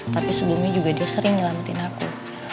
tapi sebelumnya juga dia sering nyelamatin aku